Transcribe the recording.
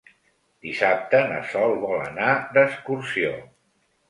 Dissabte na Sol vol anar d'excursió.